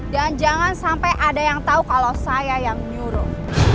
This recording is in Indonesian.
dan jangan sampai ada yang tau kalau saya yang nyuruh